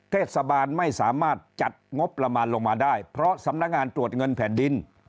เทศบาลไม่สามารถจัดงบประมาณลงมาได้เพราะสำนักงานตรวจเงินแผ่นดิน